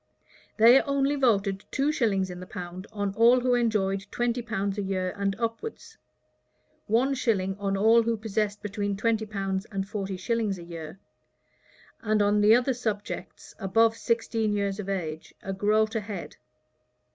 jpg SIR THOMAS MORE] They only voted two shillings in the pound on all who enjoyed twenty pounds a year and upwards; one shilling on all who possessed between twenty pounds and forty shillings a year; and on the other subjects above sixteen years of age, a groat a head.